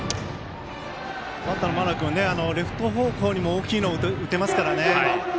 バッターの真鍋君レフト方向にも大きいのを打てますからね。